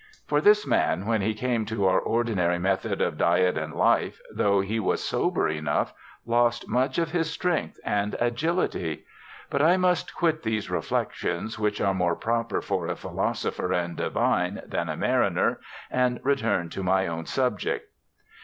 For this man, when he came to our ordinary method of diet and life, tho he was sober enough, lost' much of his strength and agility. But I must quit these reflections, which are more proper for a philosopher and divine than a mariner, and re turn to my own subject."